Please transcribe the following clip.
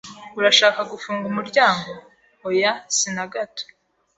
"Urashaka gufunga umuryango?" "Oya, si na gato."